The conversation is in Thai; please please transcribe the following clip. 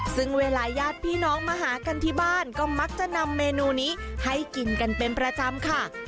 ซึ่งเวลาญาติพี่น้องมาหากันที่บ้านก็มักจะนำเมนูนี้ให้กินกันเป็นประจำค่ะ